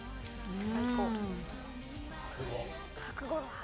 最高。